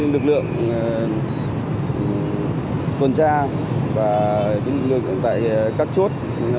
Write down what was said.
lực lượng tuần tra và lực lượng cũng phải cắt chốt